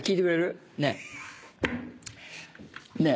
ねえ。